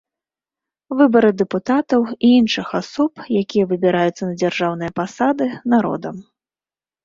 Выбары дэпутатаў і іншых асоб, якія выбіраюцца на дзяржаўныя пасады народам.